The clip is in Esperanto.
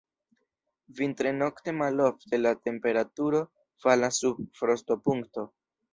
Vintre nokte malofte la temperaturo falas sub frostopunkto.